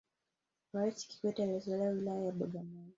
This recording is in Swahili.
raisi kikwete alizaliwa wilaya ya bagamoyo